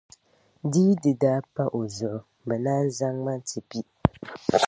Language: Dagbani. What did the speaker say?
Di yi di daa pa o zuɣu, bɛ naan zaŋ ma n-ti pi.